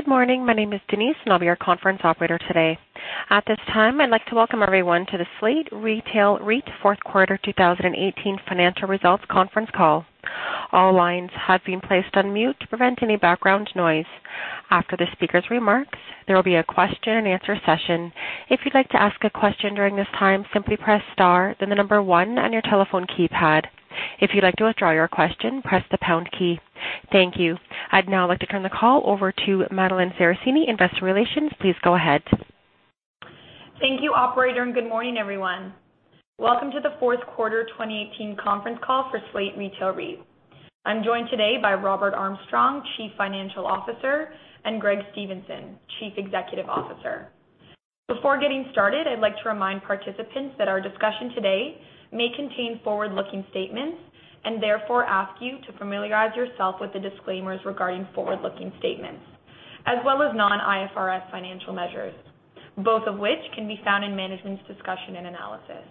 Good morning. My name is Denise, and I'll be your conference operator today. At this time, I'd like to welcome everyone to the Slate Retail REIT Fourth Quarter 2018 Financial Results Conference Call. All lines have been placed on mute to prevent any background noise. After the speakers' remarks, there will be a question and answer session. If you'd like to ask a question during this time, simply press star then the number one on your telephone keypad. If you'd like to withdraw your question, press the pound key. Thank you. I'd now like to turn the call over to Madeline Sarracini, Investor Relations. Please go ahead. Thank you, operator. Good morning, everyone. Welcome to the fourth quarter 2018 conference call for Slate Retail REIT. I'm joined today by Robert Armstrong, Chief Financial Officer, and Greg Stevenson, Chief Executive Officer. Before getting started, I'd like to remind participants that our discussion today may contain forward-looking statements. Therefore, ask you to familiarize yourself with the disclaimers regarding forward-looking statements, as well as non-IFRS financial measures, both of which can be found in management's discussion and analysis.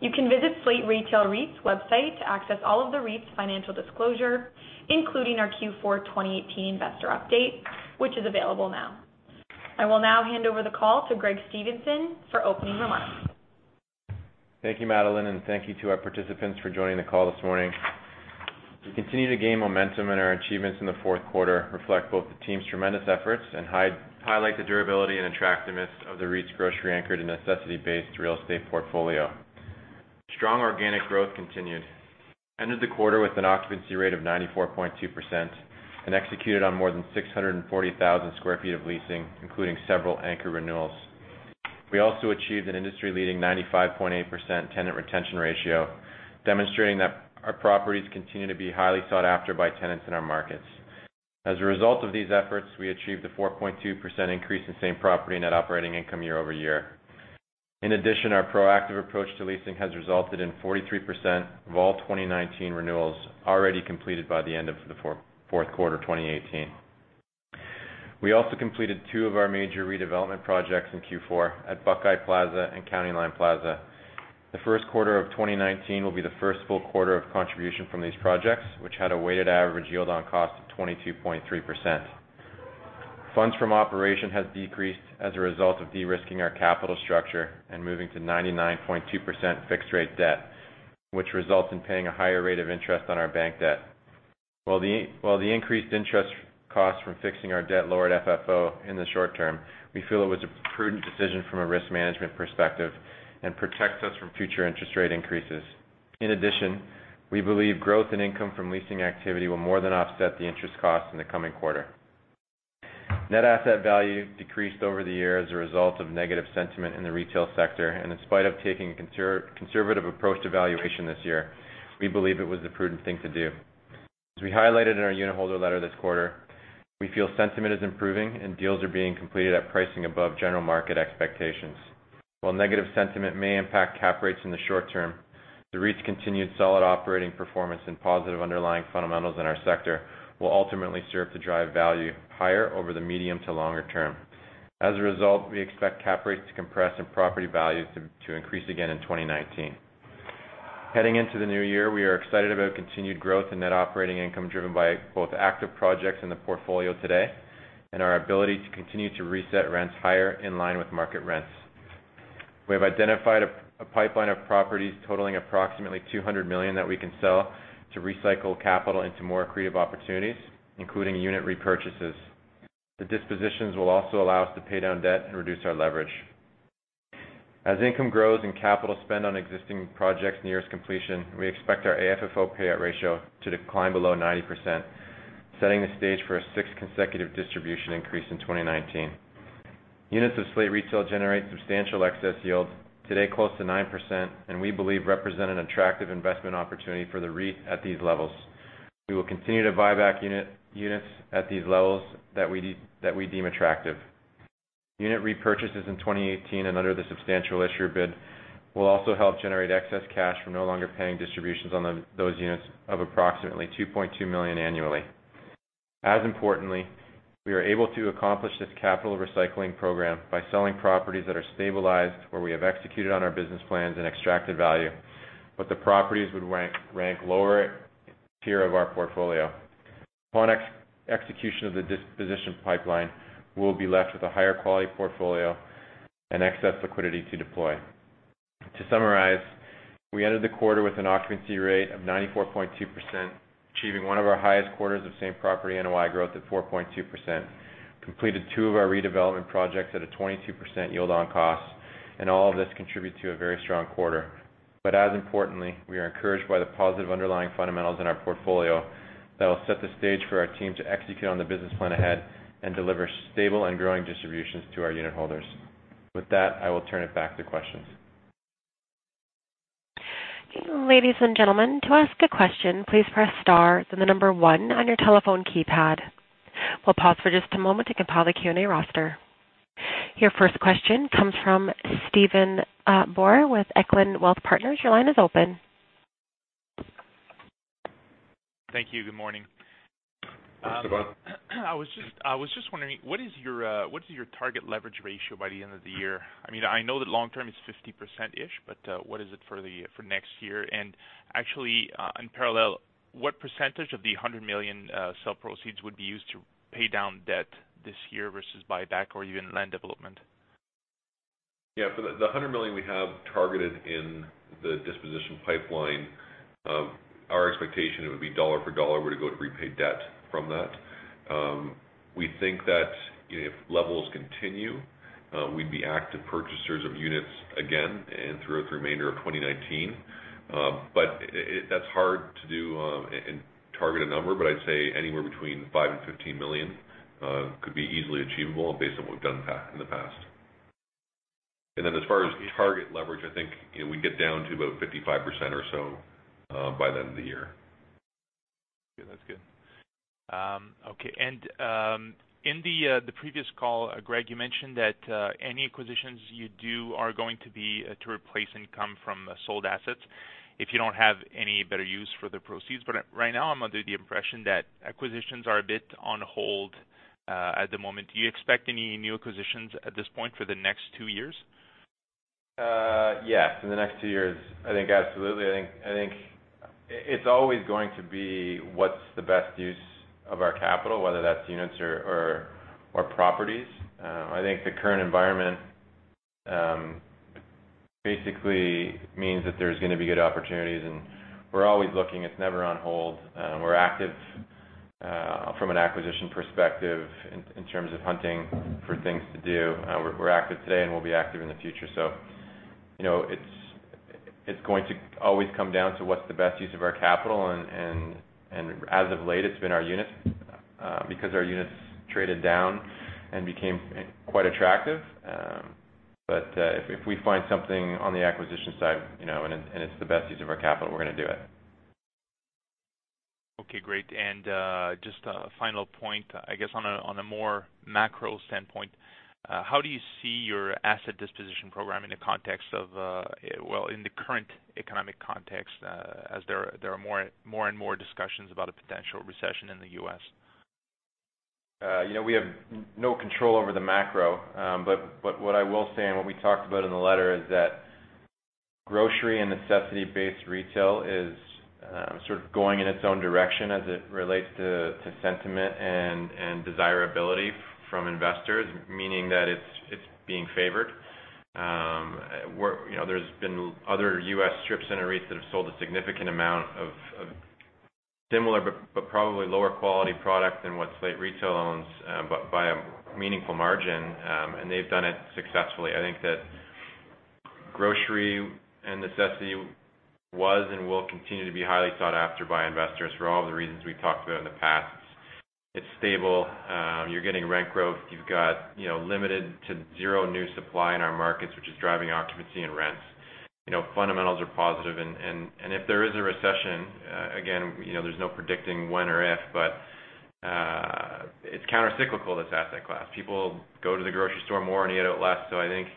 You can visit Slate Retail REIT's website to access all of the REIT's financial disclosure, including our Q4 2018 investor update, which is available now. I will now hand over the call to Greg Stevenson for opening remarks. Thank you, Madeline. Thank you to our participants for joining the call this morning. We continue to gain momentum, and our achievements in the fourth quarter reflect both the team's tremendous efforts and highlight the durability and attractiveness of the REIT's grocery-anchored and necessity-based real estate portfolio. Strong organic growth continued. Entered the quarter with an occupancy rate of 94.2% and executed on more than 640,000 sq ft of leasing, including several anchor renewals. We also achieved an industry-leading 95.8% tenant retention ratio, demonstrating that our properties continue to be highly sought after by tenants in our markets. As a result of these efforts, we achieved a 4.2% increase in same property net operating income year-over-year. In addition, our proactive approach to leasing has resulted in 43% of all 2019 renewals already completed by the end of the fourth quarter 2018. We also completed two of our major redevelopment projects in Q4 at Buckeye Plaza and Countyline Plaza. The first quarter of 2019 will be the first full quarter of contribution from these projects, which had a weighted average yield on cost of 22.3%. Funds from operation has decreased as a result of de-risking our capital structure and moving to 99.2% fixed rate debt, which results in paying a higher rate of interest on our bank debt. While the increased interest cost from fixing our debt lowered FFO in the short term, we feel it was a prudent decision from a risk management perspective and protects us from future interest rate increases. In addition, we believe growth in income from leasing activity will more than offset the interest cost in the coming quarter. Net asset value decreased over the year as a result of negative sentiment in the retail sector. In spite of taking a conservative approach to valuation this year, we believe it was the prudent thing to do. As we highlighted in our unitholder letter this quarter, we feel sentiment is improving. Deals are being completed at pricing above general market expectations. While negative sentiment may impact cap rates in the short term, the REIT's continued solid operating performance and positive underlying fundamentals in our sector will ultimately serve to drive value higher over the medium to longer term. As a result, we expect cap rates to compress and property values to increase again in 2019. Heading into the new year, we are excited about continued growth in net operating income driven by both active projects in the portfolio today and our ability to continue to reset rents higher in line with market rents. We have identified a pipeline of properties totaling approximately $200 million that we can sell to recycle capital into more accretive opportunities, including unit repurchases. The dispositions will also allow us to pay down debt and reduce our leverage. As income grows and capital spend on existing projects nears completion, we expect our AFFO payout ratio to decline below 90%, setting the stage for a sixth consecutive distribution increase in 2019. Units of Slate Retail generate substantial excess yield, today close to 9%, and we believe represent an attractive investment opportunity for the REIT at these levels. We will continue to buy back units at these levels that we deem attractive. Unit repurchases in 2018 and under the substantial issuer bid will also help generate excess cash from no longer paying distributions on those units of approximately $2.2 million annually. As importantly, we are able to accomplish this capital recycling program by selling properties that are stabilized, where we have executed on our business plans and extracted value, but the properties would rank lower tier of our portfolio. Upon execution of the disposition pipeline, we'll be left with a higher quality portfolio and excess liquidity to deploy. To summarize, we entered the quarter with an occupancy rate of 94.2%, achieving one of our highest quarters of same property NOI growth at 4.2%, completed two of our redevelopment projects at a 22% yield on cost. All of this contributes to a very strong quarter. As importantly, we are encouraged by the positive underlying fundamentals in our portfolio that will set the stage for our team to execute on the business plan ahead and deliver stable and growing distributions to our unitholders. With that, I will turn it back to questions. Ladies and gentlemen, to ask a question, please press star then the number one on your telephone keypad. We'll pause for just a moment to compile the Q&A roster. Your first question comes from Stephan Boire with Echelon Wealth Partners. Your line is open. Thank you. Good morning. [How is it going]. I was just wondering, what is your target leverage ratio by the end of the year? I know that long-term is 50%-ish, but what is it for next year? Actually, in parallel, what percentage of the $100 million sell proceeds would be used to pay down debt this year versus buyback or even land development? Yeah. For the $100 million we have targeted in the disposition pipeline, our expectation it would be dollar for dollar were to go to repay debt from that. We think that if levels continue, we'd be active purchasers of units again and throughout the remainder of 2019. That's hard to do and target a number, but I'd say anywhere between $5 million-$15 million could be easily achievable based on what we've done in the past. Then as far as target leverage, I think, we get down to about 55% or so by the end of the year. Okay. That's good. Okay, in the previous call, Greg, you mentioned that any acquisitions you do are going to be to replace income from sold assets if you don't have any better use for the proceeds. Right now, I'm under the impression that acquisitions are a bit on hold at the moment. Do you expect any new acquisitions at this point for the next two years? Yes, in the next two years, I think absolutely. I think it's always going to be what's the best use of our capital, whether that's units or properties. I think the current environment basically means that there's going to be good opportunities. We're always looking. It's never on hold. We're active from an acquisition perspective in terms of hunting for things to do. We're active today, we'll be active in the future. It's going to always come down to what's the best use of our capital. As of late, it's been our units because our units traded down and became quite attractive. If we find something on the acquisition side, it's the best use of our capital, we're going to do it. Okay, great. Just a final point, I guess on a more macro standpoint, how do you see your asset disposition program in the current economic context as there are more and more discussions about a potential recession in the U.S.? We have no control over the macro. What I will say, what we talked about in the letter is that grocery and necessity-based retail is sort of going in its own direction as it relates to sentiment and desirability from investors, meaning that it's being favored. There's been other U.S. strip center REITs that have sold a significant amount of similar but probably lower quality product than what Slate Retail owns by a meaningful margin. They've done it successfully. I think that grocery and necessity was will continue to be highly sought after by investors for all the reasons we've talked about in the past. It's stable. You're getting rent growth. You've got limited to zero new supply in our markets, which is driving occupancy and rents. Fundamentals are positive. If there is a recession, again, there is no predicting when or if, but it is countercyclical, this asset class. People go to the grocery store more and eat out less. I think,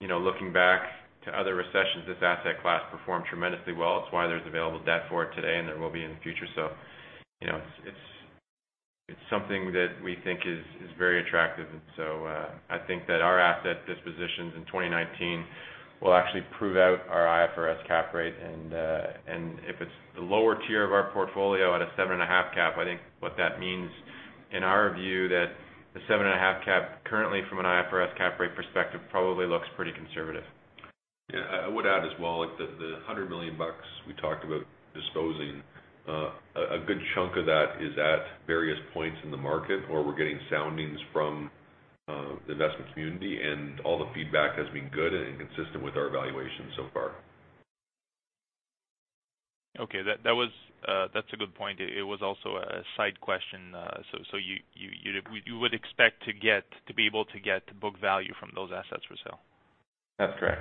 looking back to other recessions, this asset class performed tremendously well. It is why there is available debt for it today, and there will be in the future. It is something that we think is very attractive. I think that our asset dispositions in 2019 will actually prove out our IFRS cap rate, and if it is the lower tier of our portfolio at a 7.5% Cap, I think what that means in our view, that the 7.5% cap currently from an IFRS cap rate perspective probably looks pretty conservative. Yeah. I would add as well, the $100 million we talked about disposing, a good chunk of that is at various points in the market, or we are getting soundings from the investment community. All the feedback has been good and consistent with our valuation so far. Okay. That is a good point. It was also a side question. You would expect to be able to get book value from those assets for sale? That is correct.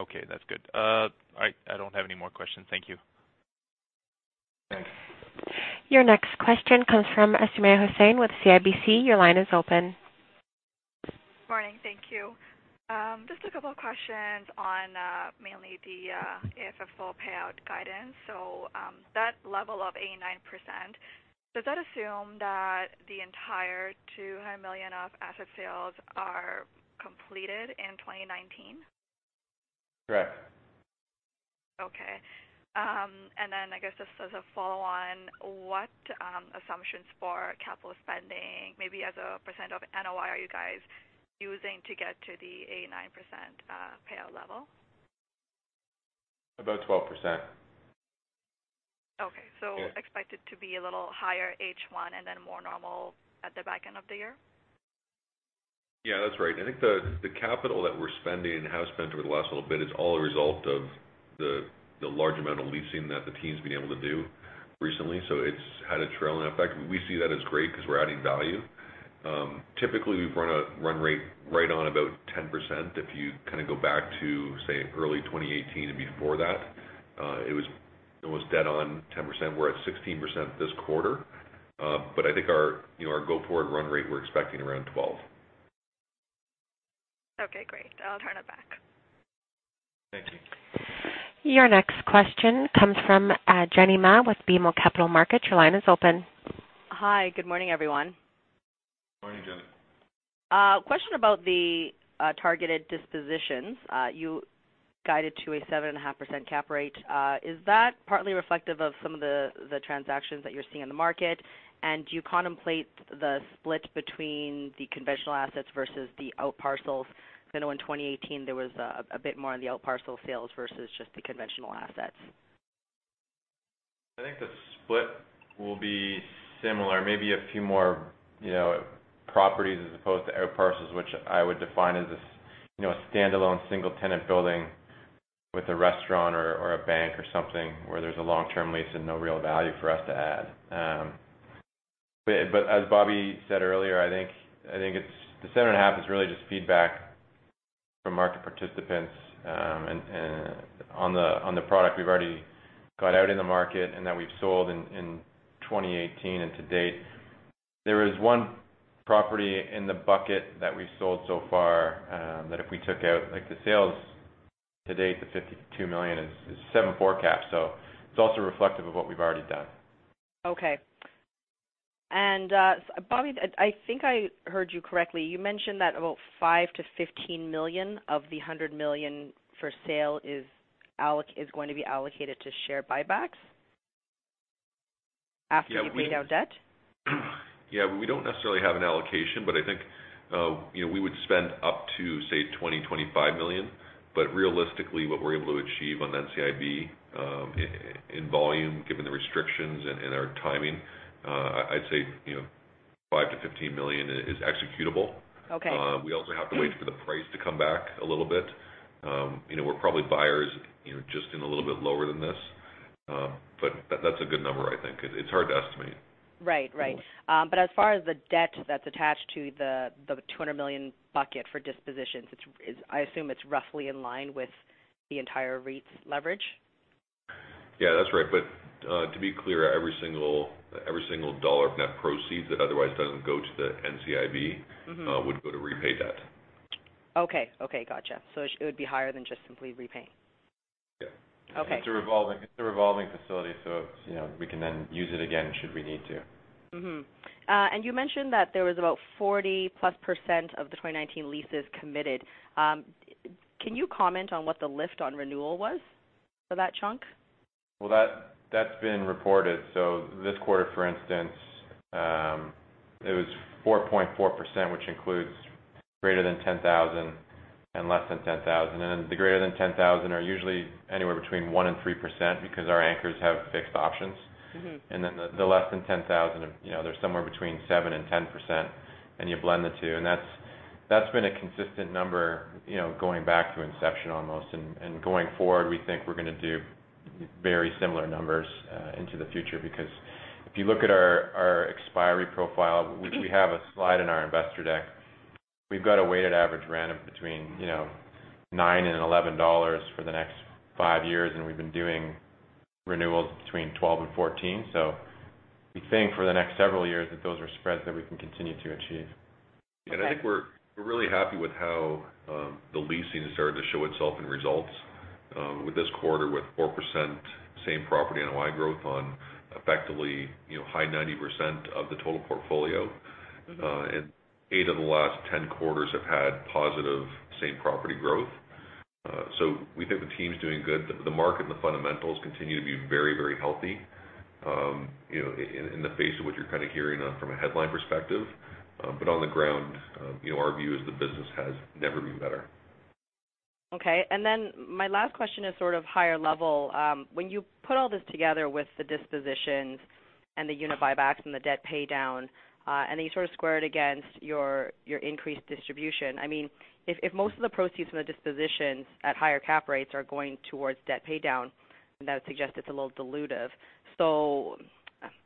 Okay, that's good. All right. I don't have any more questions. Thank you. Thanks. Your next question comes from Asma Hussain with CIBC. Your line is open. Morning. Thank you. Just a couple of questions on mainly the AFFO payout guidance. That level of 89%, does that assume that the entire $200 million of asset sales are completed in 2019? Correct. Then I guess just as a follow-on, what assumptions for capital spending, maybe as a % of NOI are you guys using to get to the 89% payout level? About 12%. Okay. Yeah. Expect it to be a little higher H1 and then more normal at the back end of the year? Yeah, that's right. I think the capital that we're spending and have spent over the last little bit is all a result of the large amount of leasing that the team's been able to do recently. It's had a trailing effect. We see that as great because we're adding value. Typically, we've run a run rate right on about 10%. If you kind of go back to, say, early 2018 and before that it was dead on 10%. We're at 16% this quarter. I think our go-forward run rate, we're expecting around 12%. Okay, great. I'll turn it back. Thank you. Your next question comes from Jenny Ma with BMO Capital Markets. Your line is open. Hi, good morning, everyone. Morning, Jenny. Question about the targeted dispositions. You guided to a 7.5% cap rate. Is that partly reflective of some of the transactions that you're seeing in the market? Do you contemplate the split between the conventional assets versus the outparcels? Because I know in 2018 there was a bit more on the outparcel sales versus just the conventional assets. I think the split will be similar, maybe a few more properties as opposed to outparcels, which I would define as a standalone single-tenant building with a restaurant or a bank or something, where there's a long-term lease and no real value for us to add. As Bobby said earlier, I think the 7.5% is really just feedback from market participants on the product we've already got out in the market and that we've sold in 2018 and to date. There is one property in the bucket that we've sold so far, that if we took out the sales to date, the $52 million is 7.4% cap. It's also reflective of what we've already done. Okay. Bobby, I think I heard you correctly, you mentioned that about $5 million-$15 million of the $100 million for sale is going to be allocated to share buybacks after you pay down debt? Yeah. We don't necessarily have an allocation, I think we would spend up to, say, $20 million, $25 million. Realistically, what we're able to achieve on NCIB in volume, given the restrictions and our timing, I'd say $5 million-$15 million is executable. Okay. We also have to wait for the price to come back a little bit. We're probably buyers just in a little bit lower than this. That's a good number, I think. It's hard to estimate. Right. As far as the debt that's attached to the $200 million bucket for dispositions, I assume it's roughly in line with the entire REIT's leverage. Yeah, that's right. To be clear, every single dollar of net proceeds that otherwise doesn't go to the NCIB would go to repay debt. Okay, gotcha. It would be higher than just simply repaying. Yeah. Okay. It's a revolving facility, so we can then use it again should we need to. Mm-hmm. You mentioned that there was about 40%+ of the 2019 leases committed. Can you comment on what the lift on renewal was for that chunk? Well, that's been reported. This quarter, for instance, it was 4.4%, which includes greater than 10,000 sq ft and less than 10,000 sq ft. The greater than 10,000 sq ft are usually anywhere between 1% and 3%, because our anchors have fixed options. The less than 10,000 sq ft, they're somewhere between 7% and 10%, and you blend the two. That's been a consistent number going back to inception almost. Going forward, we think we're going to do very similar numbers into the future. If you look at our expiry profile, which we have a slide in our investor deck, we've got a weighted average rent of between $9 and $11 for the next five years, and we've been doing renewals between $12 and $14. We think for the next several years that those are spreads that we can continue to achieve. Okay. I think we're really happy with how the leasing has started to show itself in results with this quarter with 4% same property NOI growth on effectively high 90% of the total portfolio. Eight of the last 10 quarters have had positive same property growth. We think the team's doing good. The market and the fundamentals continue to be very healthy in the face of what you're kind of hearing from a headline perspective. On the ground, our view is the business has never been better. Okay. My last question is sort of higher level. When you put all this together with the dispositions and the unit buybacks and the debt paydown, and then you sort of square it against your increased distribution. If most of the proceeds from the dispositions at higher cap rates are going towards debt paydown, then that would suggest it's a little dilutive.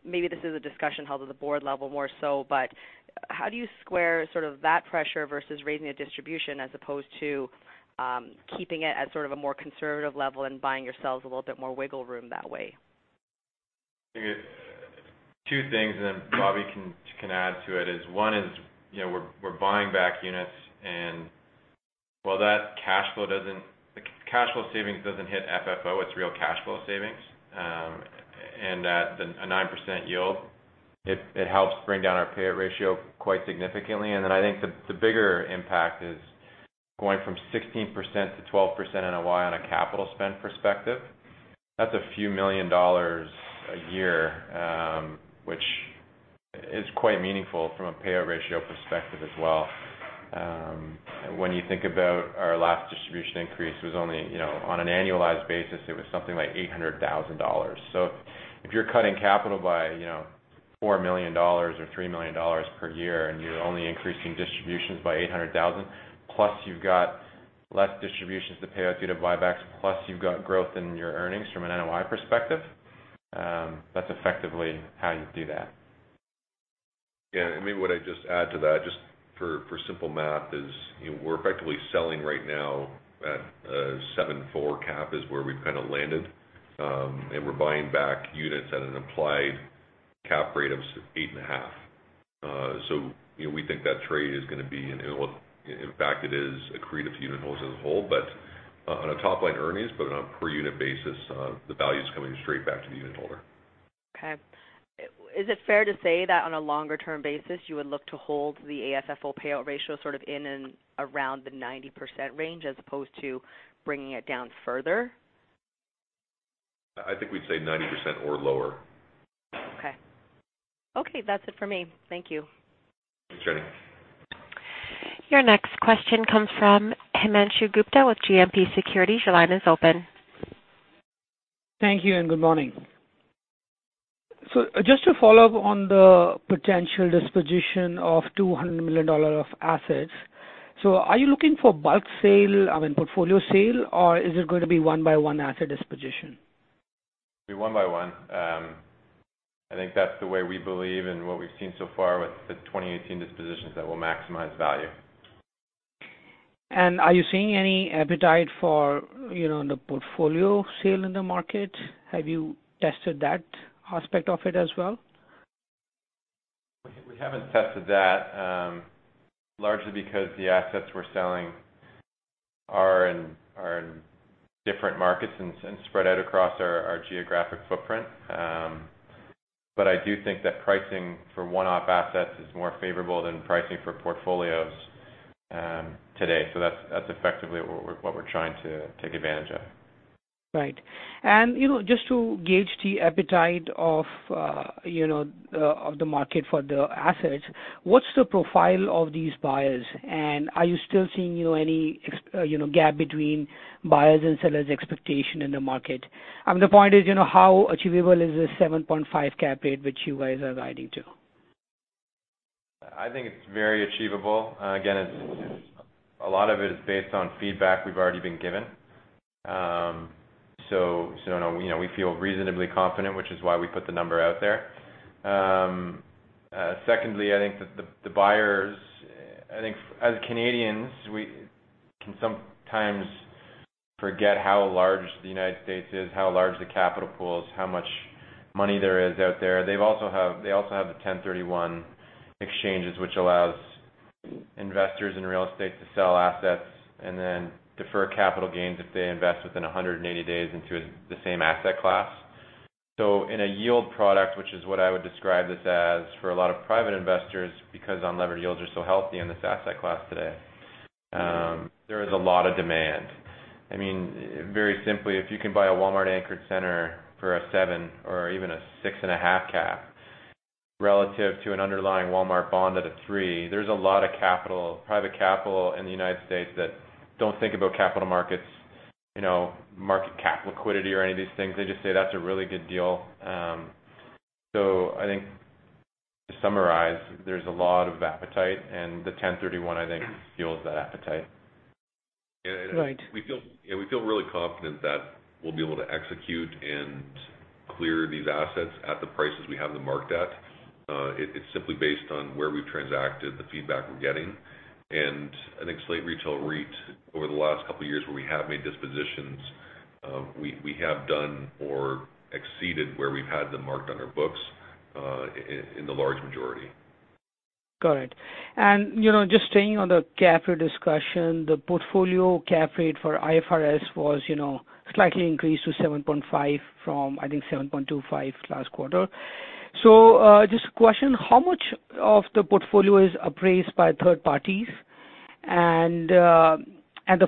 Maybe this is a discussion held at the board level more so, but how do you square sort of that pressure versus raising a distribution as opposed to keeping it at sort of a more conservative level and buying yourselves a little bit more wiggle room that way? I think it's two things, then Bobby can add to it, is one is we're buying back units. While the cash flow savings doesn't hit FFO, it's real cash flow savings. At a 9% yield, it helps bring down our payout ratio quite significantly. I think the bigger impact is going from 16%-12% NOI on a capital spend perspective. That's a few million dollars a year, which is quite meaningful from a payout ratio perspective as well. When you think about our last distribution increase was only, on an annualized basis, it was something like $800,000. If you're cutting capital by $4 million or $3 million per year, you're only increasing distributions by $800,000, plus you've got less distributions to pay out due to buybacks, plus you've got growth in your earnings from an NOI perspective, that's effectively how you do that. Yeah. Maybe what I'd just add to that, just for simple math, is we're effectively selling right now at a 7.4% cap is where we've kind of landed. We're buying back units at an implied cap rate of 8.5%. We think that trade is going to be, in fact, it is accretive to unitholders as a whole, but on a top-line earnings but on a per unit basis, the value's coming straight back to the unitholder. Okay. Is it fair to say that on a longer-term basis, you would look to hold the AFFO payout ratio sort of in and around the 90% range as opposed to bringing it down further? I think we'd say 90% or lower. Okay. Okay, that's it for me. Thank you. Thanks, Jenny. Your next question comes from Himanshu Gupta with GMP Securities. Your line is open. Thank you. Good morning. Just to follow up on the potential disposition of $200 million of assets. Are you looking for bulk sale, I mean, portfolio sale, or is it going to be one by one asset disposition? Be one by one. I think that's the way we believe and what we've seen so far with the 2018 dispositions that will maximize value. Are you seeing any appetite for the portfolio sale in the market? Have you tested that aspect of it as well? We haven't tested that, largely because the assets we're selling are in different markets and spread out across our geographic footprint. I do think that pricing for one-off assets is more favorable than pricing for portfolios today. That's effectively what we're trying to take advantage of. Right. Just to gauge the appetite of the market for the assets, what's the profile of these buyers? Are you still seeing any gap between buyers' and sellers' expectation in the market? The point is how achievable is this 7.5% cap rate which you guys are guiding to? I think it's very achievable. Again, a lot of it is based on feedback we've already been given. Now we feel reasonably confident, which is why we put the number out there. Secondly, I think that the buyers, I think as Canadians, we can sometimes forget how large the U.S. is, how large the capital pool is, how much money there is out there. They also have the 1031 exchanges, which allows investors in real estate to sell assets and then defer capital gains if they invest within 180 days into the same asset class. In a yield product, which is what I would describe this as for a lot of private investors, because unlevered yields are so healthy in this asset class today. There is a lot of demand. Very simply, if you can buy a Walmart-anchored center for a 7% or even 6.5% cap relative to an underlying Walmart bond at a three, there's a lot of capital, private capital in the U.S. that don't think about capital markets, market cap liquidity or any of these things. They just say that's a really good deal. I think to summarize, there's a lot of appetite, and the 1031, I think fuels that appetite. Right. We feel really confident that we'll be able to execute and clear these assets at the prices we have them marked at. It's simply based on where we've transacted, the feedback we're getting. I think Slate Retail REIT, over the last couple of years where we have made dispositions, we have done or exceeded where we've had them marked on our books, in the large majority. Got it. Just staying on the cap rate discussion, the portfolio cap rate for IFRS was slightly increased to 7.5% from I think 7.25% last quarter. Just a question, how much of the portfolio is appraised by third parties? The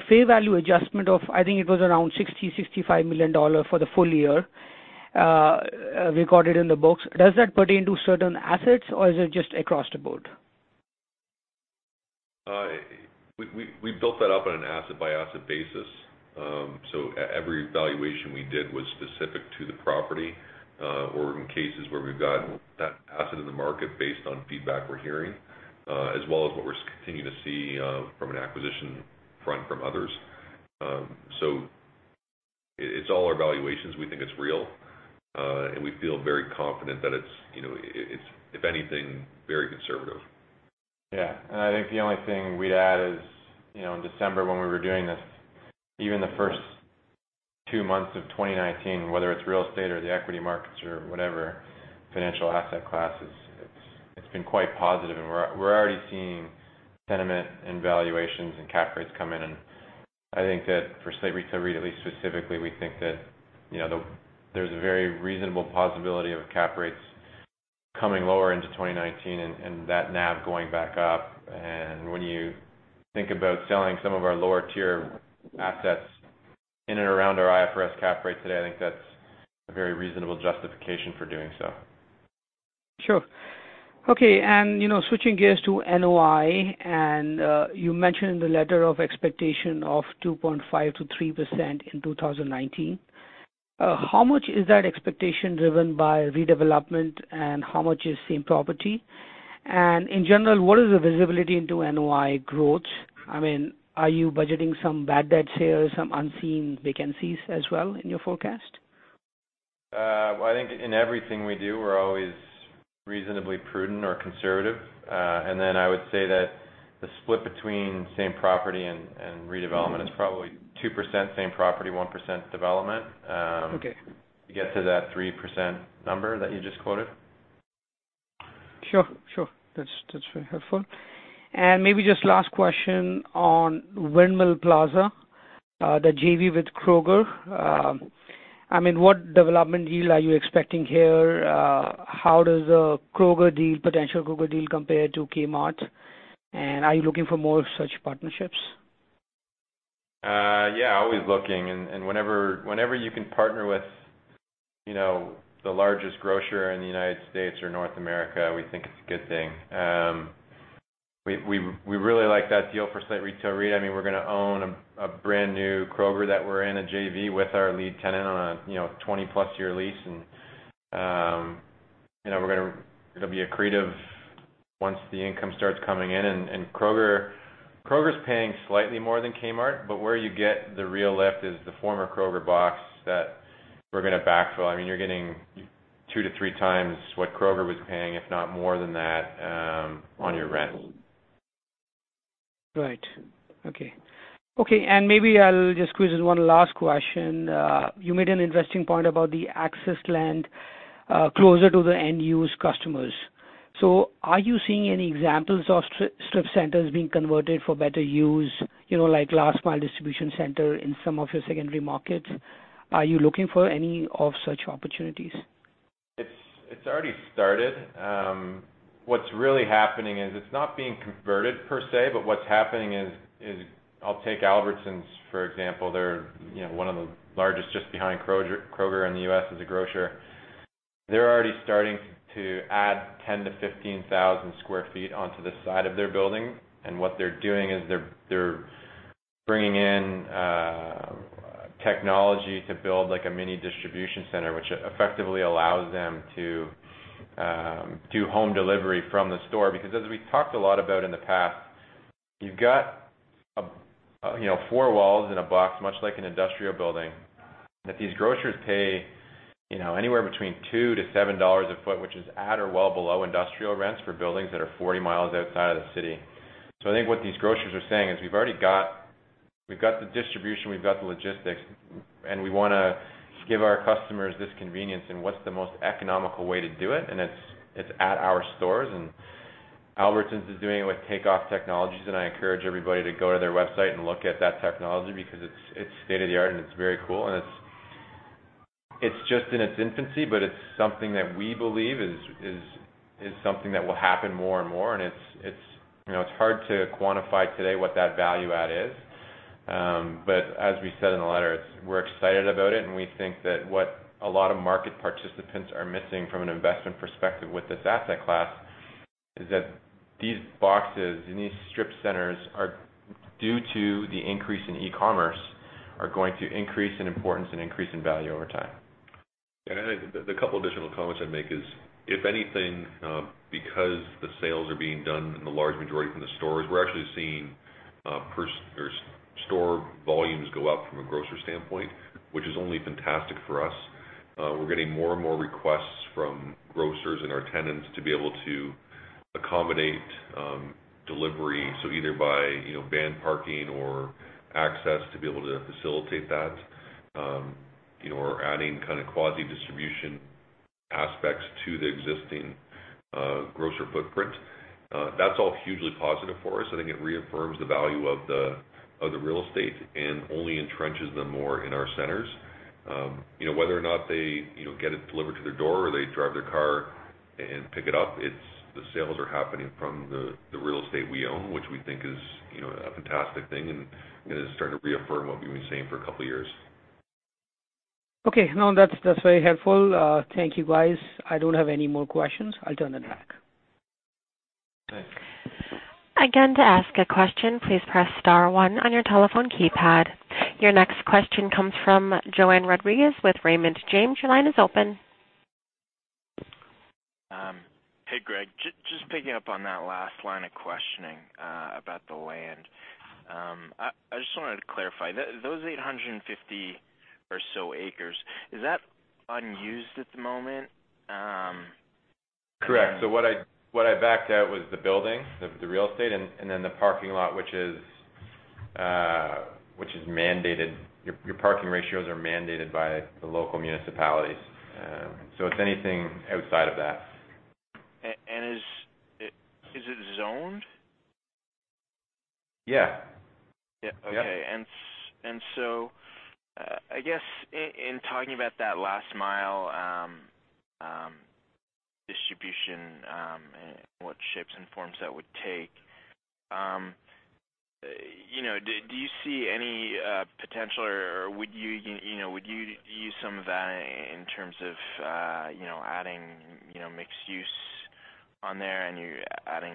fair value adjustment of, I think it was around $60 million-$65 million for the full year, recorded in the books. Does that pertain to certain assets, or is it just across the board? We built that up on an asset-by-asset basis. Every valuation we did was specific to the property, or in cases where we've gotten that asset in the market based on feedback we're hearing. As well as what we're continuing to see from an acquisition front from others. It's all our valuations. We think it's real. We feel very confident that it's if anything, very conservative. Yeah. I think the only thing we'd add is in December when we were doing this, even the first two months of 2019, whether it's real estate or the equity markets or whatever financial asset classes, it's been quite positive, and we're already seeing sentiment and valuations and cap rates come in, and I think that for Slate Retail REIT, at least specifically, we think that there's a very reasonable possibility of cap rates coming lower into 2019 and that NAV going back up. When you think about selling some of our lower tier assets in and around our IFRS cap rate today, I think that's a very reasonable justification for doing so. Sure. Okay, switching gears to NOI, and you mentioned in the letter of expectation of 2.5%-3% in 2019. How much is that expectation driven by redevelopment, and how much is same property? In general, what is the visibility into NOI growth? Are you budgeting some bad debt sales, some unseen vacancies as well in your forecast? Well, I think in everything we do, we're always reasonably prudent or conservative. I would say that the split between same property and redevelopment is probably 2% same property, 1% development. Okay. To get to that 3% number that you just quoted. Sure. That's very helpful. Maybe just last question on Windmill Plaza, the JV with Kroger. What development yield are you expecting here? How does the potential Kroger deal compare to Kmart? Are you looking for more such partnerships? Yeah, always looking, and whenever you can partner with the largest grocer in the United States or North America, we think it's a good thing. We really like that deal for Slate Retail REIT. We're going to own a brand new Kroger that we're in a JV with our lead tenant on a 20+ year lease, and it'll be accretive once the income starts coming in. Kroger's paying slightly more than Kmart, but where you get the real lift is the former Kroger box that we're going to backfill. You're getting two to three times what Kroger was paying, if not more than that, on your rent. Right. Okay. Maybe I'll just squeeze in one last question. You made an interesting point about the access land closer to the end-use customers. Are you seeing any examples of strip centers being converted for better use, like last mile distribution center in some of your secondary markets? Are you looking for any of such opportunities? It's already started. What's really happening is it's not being converted per se, but what's happening is I'll take Albertsons, for example. They're one of the largest just behind Kroger in the U.S. as a grocer. They're already starting to add 10,000 sq ft-15,000 sq ft onto the side of their building. What they're doing is they're bringing in technology to build a mini distribution center, which effectively allows them to do home delivery from the store. Because as we talked a lot about in the past, you've got four walls in a box, much like an industrial building, that these grocers pay anywhere between $2-$7 a foot, which is at or well below industrial rents for buildings that are 40 miles outside of the city. I think what these grocers are saying is, "We've got the distribution, we've got the logistics, and we want to give our customers this convenience, and what's the most economical way to do it? And it's at our stores." Albertsons is doing it with Takeoff Technologies, and I encourage everybody to go to their website and look at that technology because it's state-of-the-art and it's very cool. It's just in its infancy, but it's something that we believe is something that will happen more and more. It's hard to quantify today what that value add is. As we said in the letter, we're excited about it, and we think that what a lot of market participants are missing from an investment perspective with this asset class is that these boxes and these strip centers, due to the increase in e-commerce, are going to increase in importance and increase in value over time. I think the couple additional comments I'd make is, if anything, because the sales are being done in the large majority from the stores, we're actually seeing store volumes go up from a grocer standpoint, which is only fantastic for us. We're getting more and more requests from grocers and our tenants to be able to accommodate delivery. Either by van parking or access to be able to facilitate that, or adding kind of quasi-distribution aspects to the existing grocer footprint. That's all hugely positive for us. I think it reaffirms the value of the real estate and only entrenches them more in our centers. Whether or not they get it delivered to their door or they drive their car and pick it up, the sales are happening from the real estate we own, which we think is a fantastic thing and is starting to reaffirm what we've been saying for a couple of years. Okay. No, that's very helpful. Thank you guys. I don't have any more questions. I'll turn it back. Thanks. Again, to ask a question, please press star one on your telephone keypad. Your next question comes from Johann Rodrigues with Raymond James. Your line is open. Hey, Greg. Just picking up on that last line of questioning about the land. I just wanted to clarify, those 850 or so acres, is that unused at the moment? Correct. What I backed out was the building, the real estate, and then the parking lot, which is mandated. Your parking ratios are mandated by the local municipalities. It's anything outside of that. Is it zoned? Yeah. Okay. I guess in talking about that last mile distribution, what shapes and forms that would take, do you see any potential or would you use some of that in terms of adding mixed use on there and adding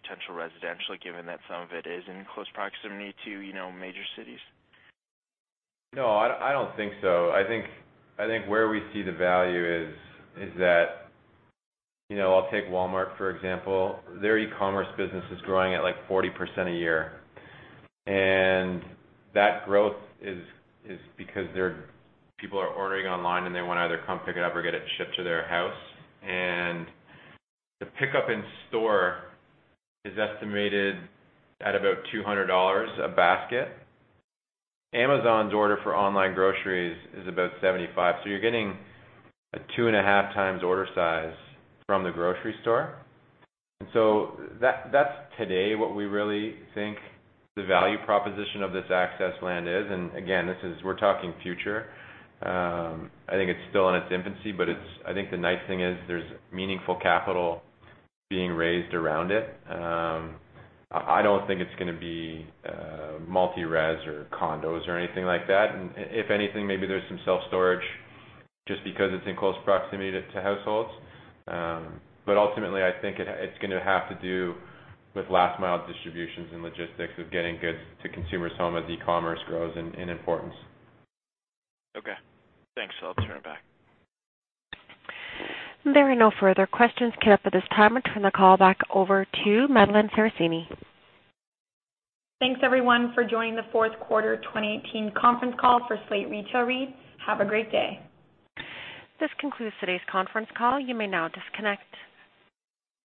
potential residential, given that some of it is in close proximity to major cities? No, I don't think so. I think where we see the value is that I'll take Walmart, for example. Their e-commerce business is growing at, like, 40% a year, and that growth is because people are ordering online, and they want to either come pick it up or get it shipped to their house. The pickup in store is estimated at about $200 a basket. Amazon's order for online groceries is about $75. You're getting a two and a half times order size from the grocery store. That's today what we really think the value proposition of this access land is, and again, we're talking future. I think it's still in its infancy, but I think the nice thing is there's meaningful capital being raised around it. I don't think it's going to be multi-res or condos or anything like that. If anything, maybe there's some self-storage just because it's in close proximity to households. Ultimately, I think it's going to have to do with last mile distributions and logistics of getting goods to consumers' home as e-commerce grows in importance. Okay. Thanks. I'll turn it back. There are no further questions queue up at this time. I turn the call back over to Madeline Sarracini. Thanks, everyone, for joining the fourth quarter 2018 conference call for Slate Retail REIT. Have a great day. This concludes today's conference call. You may now disconnect.